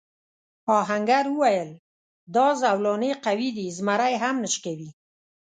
آهنګر وویل دا زولنې قوي دي زمری هم نه شکوي.